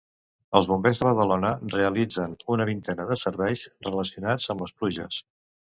Els Bombers de Badalona realitzen una vintena de serveis relacionats amb les pluges.